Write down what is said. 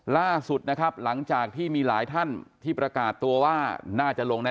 ล่าสุดนะครับหลังจากที่มีหลายท่านที่ประกาศตัวว่าน่าจะลงแน